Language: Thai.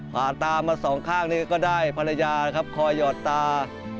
ผ่านตามา๒ข้างนี้ก็ได้ภรรยาเขายอดตา